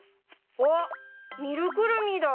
あっミルクルミだ！